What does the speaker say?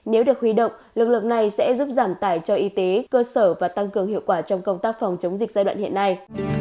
nếu được huy động lực lượng này sẽ giúp giảm tải cho y tế cơ sở và tăng cường hiệu quả trong công tác phòng chống dịch giai đoạn hiện nay